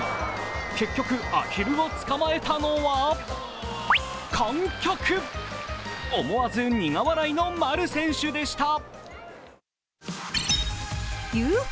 結局、アヒルをつかまえたのは観客思わず苦笑いの丸選手でした。